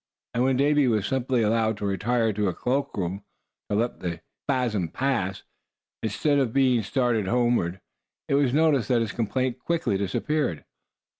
And when Davy was simply allowed to retire to a cloak room, to let the "spasm" pass, instead of being started homeward, it was noticed that his complaint quickly disappeared.